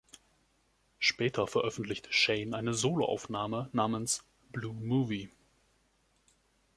Später veröffentlichte Shane eine Soloaufnahme namens „Blue Movie“.